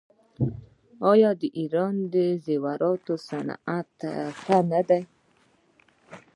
آیا د ایران د زیوراتو صنعت ښه نه دی؟